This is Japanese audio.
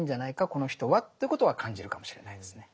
この人は」ってことは感じるかもしれないですね。